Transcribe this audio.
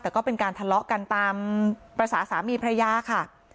แต่ก็เป็นการทะเลาะกันตามภาษาสามีพระยาค่ะ